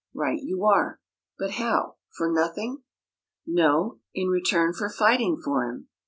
"Right you are but how, for nothing?" "No, in return for fighting for him."